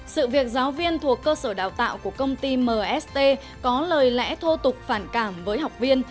sự việc giáo viên thuộc cơ sở đào tạo của công ty mst có lời lẽ thô tục phản cảm với học viên